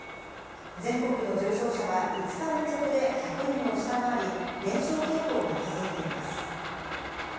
全国の重症者は５日連続で１００人を下回り、減少傾向が続いています。